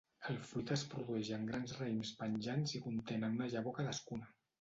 El fruit es produeix en grans raïms penjants i contenen una llavor cadascuna.